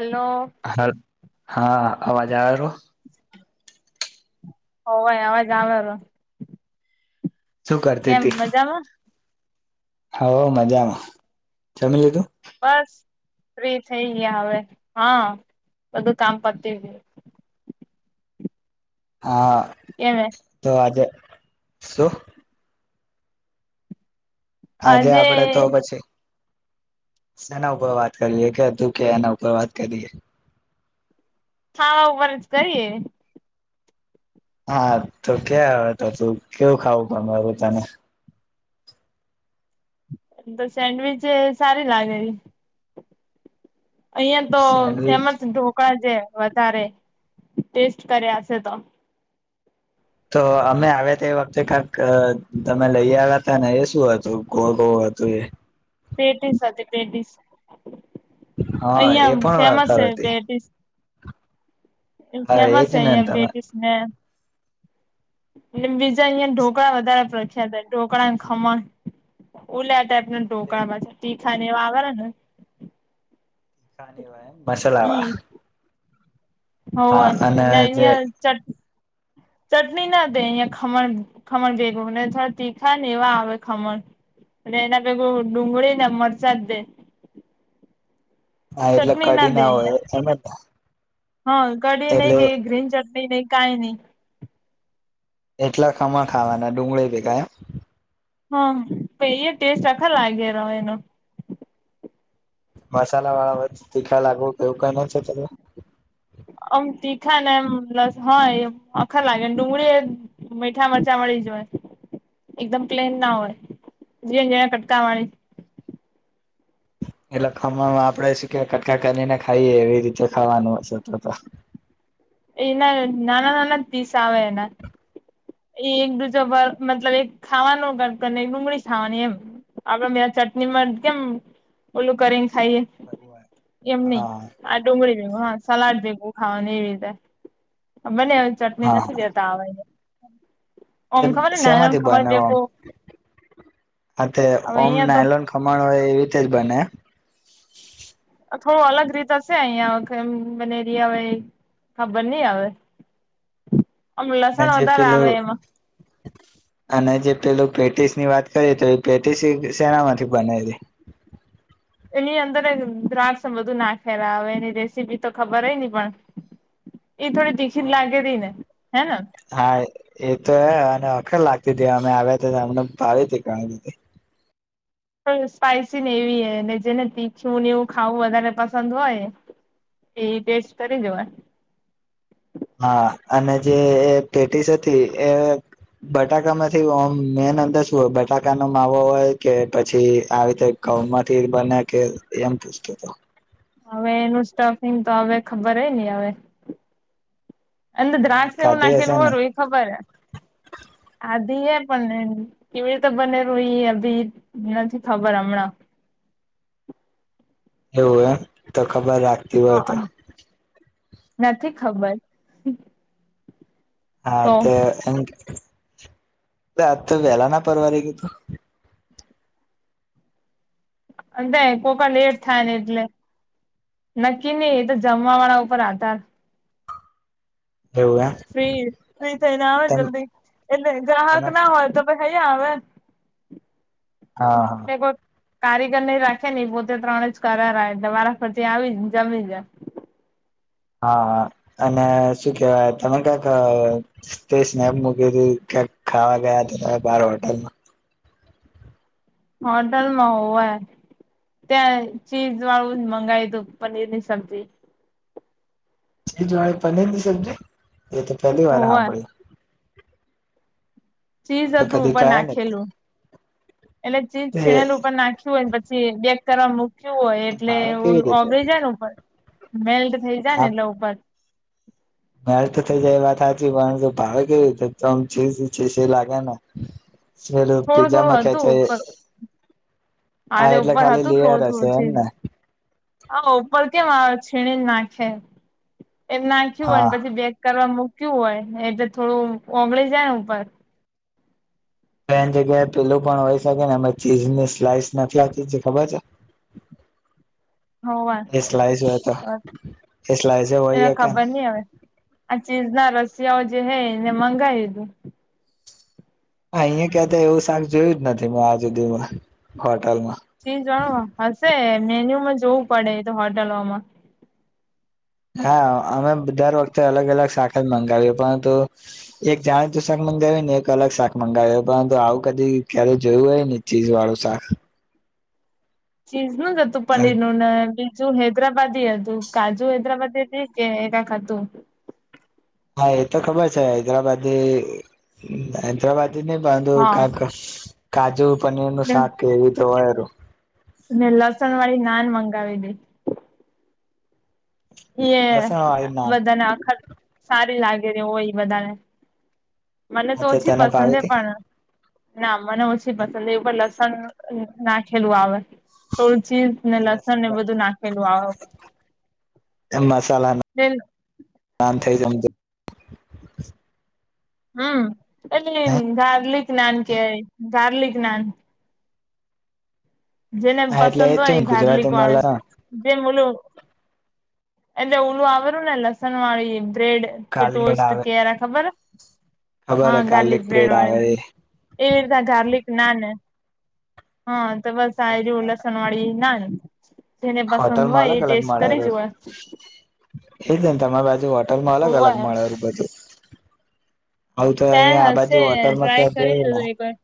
Hello હાલ, હા, અવાજ આવે રો ઓવે અવાજ આવેરો શું કરતી તી? હ, મજામાં, જમી લીધુ? બસ. ફ્રી થઈ ગિયા હવે, હં, બધુ કામ પતી ગિયું. હા, કેમે તો આજે, શું? આજે આપડે તો પછી સેના ઉપર વાત કરીએ, કે તુ કે એના ઉપર વાત કરીએ. હા! ઉપર જ કરીએ. હા, તો ક્યા અવે તો તું, કેવું ખાવું ગમે રે તને? એમ તો સેન્ડવીચે સારી લાગેલી. અહિયાં તો સેન્ડવીચ ફેમસ ધોકડા જ છે વધારે ટેસ્ટ કર્યાસે તો તો અમે આવ્યા તે વખતે કાંક તમે લઈ આવ્યાતા ને, એ શું હતું ગોળ ગોળ? તો એ પેટી સાથે પેટીસ હા એ અહિયાં પણ ફેમસ વખર હતી પેટીસ હા ફેમસ એજ ને હૈ તમે પેટીસ ને એટ બીજા અહિયાં ઢોકળા વધારે પ્રખ્યાત ઢોકળા ખમણ ઉલાતા ઢોકળા પાછા તીખા ને એવારા ને ખની વાય મસાલાાર હો એટ જે અહીયા ચ ચટણી ના દે અહિયાયા ખમણ ખમણ ભેગું ને થડા તીખા ને એવા આવે ખમણ અને એના ભેગુ ડુંગળી ને મરસાદ દે હા એટલે ચટણી કઢી ના દે હોય એમે હા કઢી નહી કે ગ્રીન ચટણી નહી કાઈ નહી એટલા ખમા ખાવાના ડુંગળી ભેગાય હા પ એ ટેસ્ટ અખર લાગે રો એનો મસાલા વાળા વ તીખા લાગવ એવું કાઈ નથી અમ તીખા ને એમ લસ હોય એ અખર લાગેને ડુંગળી એ મીઠા મરચાં વાડી જ હોય એકદમ પ્લેન ના હોય જીણી જીણી કટકાવાની એટલે ખમણ આપડે શું કે કટકા કરીને ખાઈએ એવી રીતે ખાવાનું હશે તો એના નાના નાના દિસ આવે એના એ એક દીજો મતલબ એક ખાવાનો ગક અને ડુંગળી ખાવાની એમ આપડે મે ચટણીમાં કેમ ઓલું કરી ખાઈએ એમ નહી હા આ ડુંગળી ભેગું હા સલાડ ભેગું ખાવાનુ એવી રીતે બને ચટણી હા નથી દેતા આવેને શેમાંથી બનાવ ભેગું આ થે હવે ઓમ અહિયાં તો નાયલોન ખમણ હોય એવી રીતે જ બને થોડું અલગ રીતશે અહીયાંખ બનેરિયા હો ખબર નહિ હવે આમ અને લસણ જે વધારે પેલું આવે એમાં અને જે પેલું પટિશ ની વાત કરીએ તો એ પેટિશ સેના માંથી બનેલી એની અંદર દ્રાક્ષ બધું નાખેલા આવે એની રેસીપી તો ખબર હય ની પણ [inaudible] તીખી જ હમ લાગે તી ને હે ને હા એ તો હ અખર લાગતી હતી અમે આવ્યા હતા અમને ભાવી ગણીધી સ્પાઈસીને એવી હ ને જેને તીખું એવું ખાવું વધારે પસંદ હોય એ ટેસ્ટ કરી લેવા નુ હા અને જે પેટીસ હતી એ બટાકામાં મેન અંદર શું હોય બટાકાનો માવો હોય કે પછી આવી રીતે ક માંથી બને્યા કે એમ પૂછતો હતો હવે એનું સ્ટફિંગ તો હવે ખબર હ નહી હવે અનેર તમે દ્રાક્ષ એવું ખાધી હશે નાખેલું ને હોું એ ખબર હ આધિ એમ પણ કેવી રીતે બનેલું એ અભી નથી ખબર હમણાં એવું એમ તો ખબર રાખતી હોય તો હ નથી ખબર હા તો એમ આજ તો વેલા ના પરવા રે ગીધું અ કોકા લેટ થાય ને એટલે નક્કી નહ એ તો જમવા વાળા ઉપર આધાર એવું એમ ફ્રી ફ્રી થઈને આવે તમે જલ્દી એટલે ગ્રાહક તમે ના હોય તો હા હા ખાઈવે કારીગર નહી રાખે ને પોતે ત્રણે જ કરે એટલે મારા ફછ આવી જને જમી જ હા અને શું કેવાય તમે કક તે સ્નેપ મૂકી ક્યાં ખાવા ગયા હતા ત બાર હોટલમાં હોટેલમાં હોય ત્યાં ચીજ વાળું મંગાવી તું પનીર ની સબ્જી ચજ વાળી પનીરની સબજી એ તો પહેલી વાર હા હોવે પ ચીઝ હતું કદી ઉપર ટ્રાય નથી નાખેલું એટલે ચીઝ છીણેલું ઉપર નાખ્યું હોય પછી બે તર મુ ું હોય એટલે ભાવે કેવી રીતે ઓગરી જાય ને ઉપર મેલ્ટ થઈ જાય ને એટલે ઉપર મેથ થઇ જાય એ વાત સાચી પણ જો ભાવે કે તોમ છે લાગે ને લું થોડું પિજ્જામાં થોડું ખ્યા હતું છે ઉપર હા તે એટલે ઉપર ખાલી હતું લેયર થોડું હશે એમને ઉપ કેમ આવે છીણી નાખે એમ નાખ્યું હા હોય પછી બેગ કરવા મક કયું હોય એ તો થોડું ઓગળી જાય ને ઉપર બેન જગ્યાએ પેલું પણ હોય શકે ને અમે ચીઝને સ્લાઈસ નથી આપતી ખબર છે હો વાર એ સ્લાઈસ હોય તો એ સ્લાઈસ એ હોય કે ખબર નહ હવે આ ચીઝ ના રસિયાઓ જે હે એને મંગાવીીધું હ અહીં ક્યા એવું શાક જોયું જ નથી મે આજુદીમાં હો ી જાણો હશે મેન્યુમાં જોવું પડે તો હોટેલોમાં હા અમે દર વખતે અલગ અલગ શાખા મંગાવી પરંતુ એક જાણીતું શક ા મંગાવી ને એક અલગ શાક મંગાવ પરંતુ આવું કદી ક્યારે જોયું હોય ને ચીજ વાળું શાક ચીઝ ન જતું હા પનીરનુંું ના કાજુ હૈદરાબાદી હતું કાજુ હૈદરાબાદ હતી કે કાક હતું હા એ તો ખબર છે હૈદરાબાદ હૈદરાબાદ નહી બાંધો હા કક કાજુ પનીર નું શાક કે એવી તો હોયું ને લસણ વાળી નાન મંગાવી દે એ લસણ વાળી નાન બધાને આખર સારી લાગે વગેરે હોય બધાારે મને તો ઓછી તને પસંદ ભાવી છે તી પણ ના મને ઓછી પસંદ એવું પણ લસ નાખેલું આવે થોડું ચીર ને લસણ એને બધું નાખેલું આવે એ મસાલા થઇ જ હમ એટ ગાર્લિક નાન કેવાય ગાર્લિક નાન જેને હા એટલે એ પસંદ છે હોય ને ગાર્લિક ગુજરાતીમાં વાળું લસણ જેમલું એટલે ઓલું આવરું ને લસણ વાળી એમ બ્રેડ ગાર્લિક કટોસ્ટ આવે કેરા ખબર ખબર હા હે ગાર્લિક બ્રેડ વાળય આવે એવી રીત ગાર્લિક ના ને હા તો બસ આ રહું લસણ વાડી નાને હોટલ માં અલગ અલગ મળે કરી જોવે એજ ને તમારે બાજુ હોટલમાં અલગ અલગ હોવે મળેલું બધું હ તો ત્યાં અહીિયાયા આ હશે બાજુ હોટલમાં ટ્રાય ક્યાં કરી જઈ જોજો ને એકવાર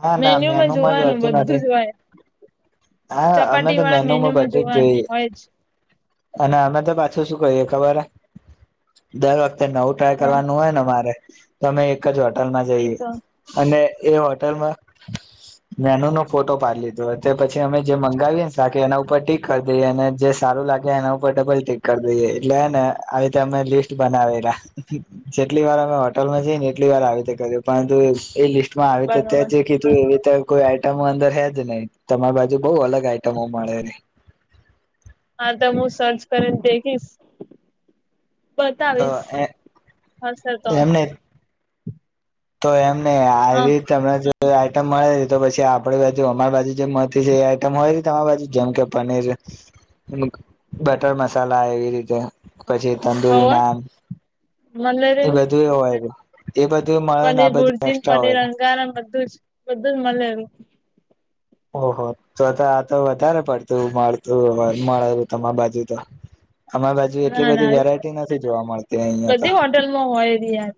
ના ના મેન્યુમાં મેનુંમાં જ જોવાનું હોતું બધું નથી જ હોય હા અમે ચપાટી તો વાળા મેનુમાં મેન્યુમાં બધે જ જોવાનું જોઈએ હોય જ અને અમે તો પાછું શું કહીયએ ખબર દર વખતે નવું ટ્રાય હા કરવાનું હોય ને મારે અમે એક જ વાત હોલમાં એ જઈએ તો અને એ હોટલમાં મેનુ નો ફોટો પાડી લીધો તે પછી મે જે મંગાવી ને સાથે એના ઉપર ટીક કરી દઈએ અને જે સારું લાગે એના ઉપર ડબલ ટીક કરી દઈએ એટલે આવી રીતે અમે લિસ્ટ બનાવેલા જેટલી વાર અમે હોટલમાં જઈને એટલી વાર આવી રીતે કર [unintelligible] એ લિસ્ટમાં આવે તે તે બરોબર જે કીધું એવી તો કોઈ આઈટમ અંદર હેજ નહી, તમાર બા જુ બઉ અલગ આઈટમો મળે રી. હા તો મું સર્ચ કરીન દૈ જીશ. બતાવીશ, રહી હશે તો. તો એમ નઈ હા આવી તમેં જો આ ઇટમ મળે છે તો પછી આપડી બાજુ અમારી બાજુ જે મળતી છે એ આઈટમ હોય કે તમારી બાજુ? જેમ કે પનીર બટર મસાલા એવી રીતે, પછી તંદુરી હવે નાન. એ મલેરી બધું એવ [unintelligible] પનીર ભુરજીન, પનીર હોય અંગારા બધું જ, બધું જ મલેરુ. ઓહો! તો તો આ તો વધારે પડતું મળતું ઓહે મળેરુ તમાર બાજુ તો. આમાર બાજુ એટલી ના ના બધી વેરાયટી નથી જોવા મળતી અહિયાં તો. બધી હોટલમાં હોય જ યાર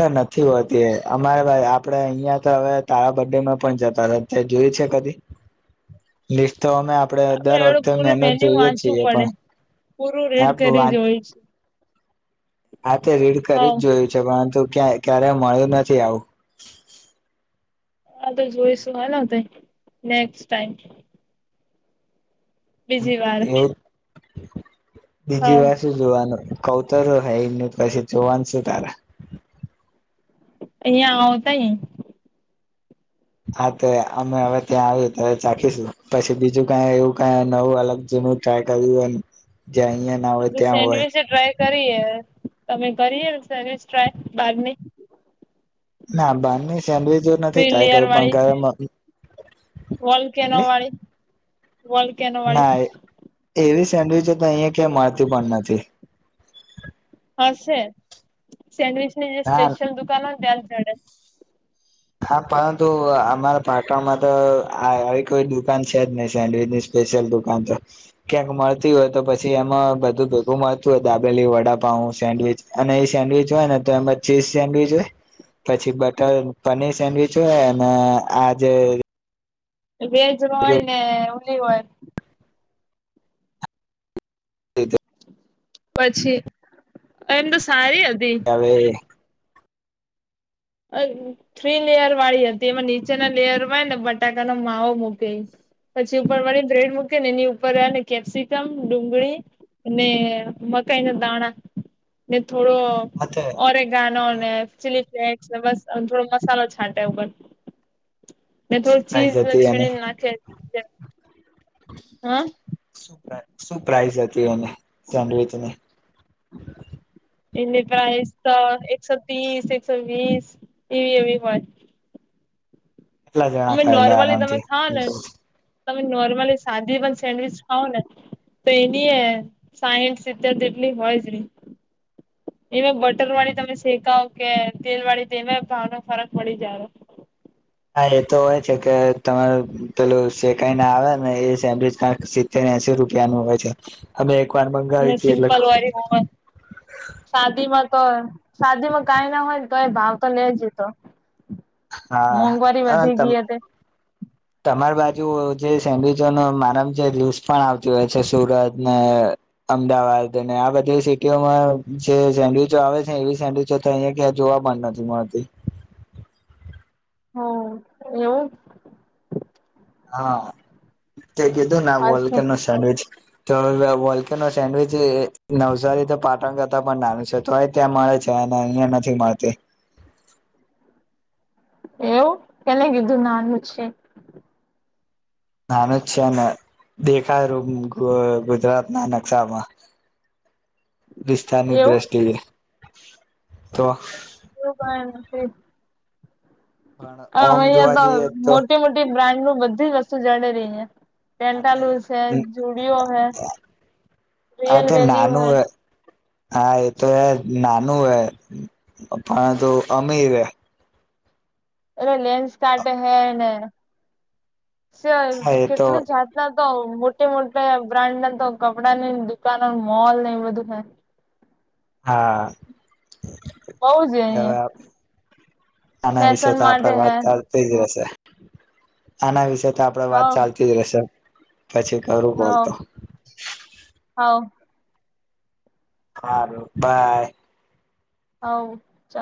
અરે નથી હોતી અમારે ભાઈ આપડે અહિયાં તો હવે તારા બડે માં પણ જતા તા તે જો યુ છે કદી? લી તો અમે આપડી આપડે દર એવડું વખતે પૂરું મેનુ મેન્યુ જોઈએ વાંચવું છીએ પડે પણ, પૂરું હા રીડ કરી વાત જોઈશું હા તે રીડ કરી હવ જ જોયું છે પરંતુ ક ક્યારે મળ્યું નથી આવું. હા તો જોઈશુ, હાલો તઇ, નેક્સટ ટાઈમ. બીજી વાર. એવું હ બીજી વાર શું જોવાનું? કઉ તો છું, હૈ નઈ, પછી જોવાન સુું તારે? અહિયા આવવતા યઈ? હા તો અમે હવે ત્યાં આવ્યે તારે ચાખીશું. પછી બીજું કઈ એવું કઈ નવું અલગ જે ટ્રાય કર્યું હોયન, જે અહિયાં ના હોય, ત્યાં હોય? સેન્ડવીચ ટ્રાય કરીએ તમે કરીએ સેન્ડવિચ ટ્રાય, બારની? ના, બારની સેન્ડવીચ નથી થ્રી ટ્રાય લેયર કરી, પણ વાળી ઘરે મમ્ વોલકેનો વાળી, વોલકેનો ના વાળી. એવી સેન્ડવીચોતો અહિયાં ક્યાં માડતી પણ નથી. હશે, સેન્ડવીચની જે ના સ્પેશિયલ દુકાન હોય ને ત્યા જ જડે. હા પરંતુ અમારા પાટણમાં તો આ આવી કોઈ દુકાન છે જ નહી સેન્ડવીચની સ્પે શિયલ દુકાન તો. ક્યાંક મળતી હોય તો પછી એમાં બધું ભેગું મળતું હોય દાબેલી, વડાપઉ સેન્ડવીચ અને એ સેન્ડવીચ હોય ને તો એમાં ચીઝ સેન્ડવીચ હોય, પછી બટર પનીર સેન્ડવીચ હોય અને આ જે વેજ હોય ને ઉલી હોય એ જ પછી, એમ તો સારી હ અવે અ થ્રી લેયર વાળી હતી, એમાં નીચેના લેયર વાય ને બટાકાનો માવો મૂકે. પછી ઉપર વરી બ્રેડ મૂકીન ને એની ઉપર અને કેપ્સિકમ, ડુંગળી અને મકાઈ ના દાણા, ને થોડો ઓરેગાનો ને ચીલીફ્લેસ. બસ અન થોડો મસાલો છાંટે ઉપર થી. મેં શું થોડું પ્રાઇઝ ચીઝ હતી છીણીન નાખયે છે. સુ પ્રા સુ પ્રાઇઝ હતી એને, સેન્ડવીચની? એની પ્રાઇસ તો એકસો ત્રીસ, એકસો વીસ એવી એવી હોય. કેટલા જણા અમે ખાયલા નોર્મલી તમે આરામથી ખાઓ નેન તમે નોર્મલી સાદી પણ સેન્ડવીચ ખાવઓ ને? તો એની એ સાઈઠ, સિત્તેર જેટલી હોઈ જી રી. એમાં બટર વાળી તમે શેકાવ કે તેલ વાળી, તેમાં ભાવનો ફરક પડી જાયે. હા હા એ તો હોય છે કે તમારુ પેલું શેકાઈ ને આવે ને એ સેન્ડવિચ કાક સિત્તેર, એસી રૂ કનું હોય છે અનેમે અને સિમ્પલ વાળી હો શાદીમાં તો શાદીમાં કઈ ના હોય તો એ ભાવ તો લઈ જતો હા મોંઘવારી અ વધી તમ ગઈ તે તમારી બાજુ જે સેન્ડવીચો ન માનમ છે લુસ પણ આવતી હોય છે સુરત ને અમદાવાદ અને આ બધી સિટીઓમાં જે સેન્ડવીચો આવે છે એવી સેન્ડવીિચો તો અહીં જોવા પણ નથી મળતી [inaudible] હ એવું હા ક કીધું ને વોલકર નો સાડ છે તો વોલ્કી નો સેન્ડવીચ નવસારી તો પાટણ કરતા પણ નાનું છે તો ત્યાં મળે છે અહિયાં નથી મળતી [inaudible] એવું કેને કીધું નાનું છે નાનું જ છે ને દેખાયું ગુજરાત ના નકશામાં [inaudible] બસ્ની એવું દ્રષ્ટિ એવું પણ હ ઓમ અહં જોવા તો જઈએ તો મોટી મોટી બ્રાન્ડ ન બધી જ વસ્તુ જાડે ર અહ પેન્ટાલુસ હૈ જુડિયો હૈ આ રિયલ તે વેલી નાનું હૈ હા એ તો હ નાનું હ પણ તોુ અમીર હ એલે લેન્સ કાટે હે ને શ્યા હા એ તો કેટલી જાતના તો મોટી મોટા બ્રાન્ડ ના તો કપડા ની દુકાનો મોલ ને એ બધું હા બઉ છે અહિયાં હવે આના વિશે ફેશન તો આપડે માટે વાત હે ચાલતી જ રહેશે આના વિશેે તો આપડે વાત હવ ચાલતી જ રહેશે પછી ખરું બોલતો હ હા બાય હ